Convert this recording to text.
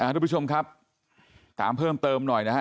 ทุกผู้ชมครับตามเพิ่มเติมหน่อยนะฮะ